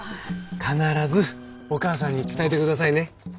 必ずお母さんに伝えて下さいね。